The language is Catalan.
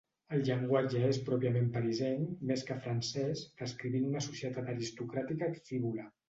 El llenguatge és pròpiament parisenc, més que francès, descrivint una societat aristocràtica frívola.